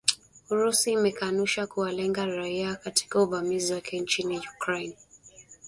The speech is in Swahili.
Urusi imekanusha kuwalenga raia katika uvamizi wake nchini Ukraine